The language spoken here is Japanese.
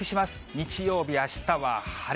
日曜日、あしたは晴れ。